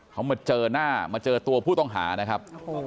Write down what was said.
เขามาเจอหน้ามาเจอตัวผู้ต้องหานะครับ